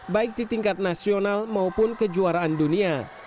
baik di tingkat nasional maupun kejuaraan dunia